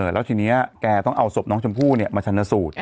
แล้วทีนี้แกต้องเอาศพน้องชมพู่มาชันสูตร